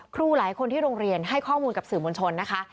ครูหลายคนที่โรงเรียนให้ข้อมูลกับสื่อมวลชนนะคะ